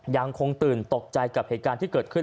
ยังคงตื่นตกใจกับเหตุการณ์ที่เกิดขึ้น